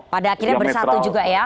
pada akhirnya bersatu juga ya